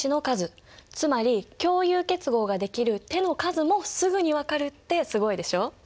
つまり共有結合ができる手の数もすぐに分かるってすごいでしょ？